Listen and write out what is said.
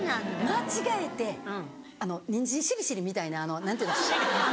間違えてニンジンしりしりみたいな何ていうの？